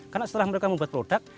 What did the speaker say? karena setelah mereka membuat produk